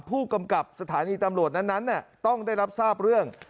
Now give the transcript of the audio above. ผู้กำกับสถานีตำรวจนั้นต้องได้รับทราบเรื่อง